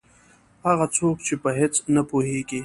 هغه څوک چې په هېڅ نه پوهېږي.